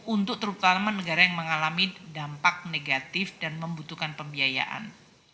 untuk terutama negara yang mengalami dampak negatif dan membutuhkan pembiayaan